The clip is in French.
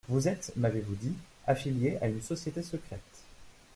Vous êtes, m'avez-vous dit, affilié à une société secrète.